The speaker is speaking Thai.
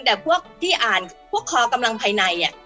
แต่พวกที่อ่านพวกคอกำลังภายใน